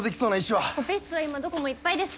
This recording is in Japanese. オペ室は今どこもいっぱいです。